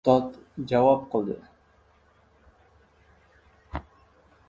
Ustod javob qildi: